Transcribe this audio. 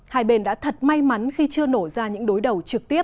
hai bên đã thật may mắn khi chưa nổ ra những đối đầu trực tiếp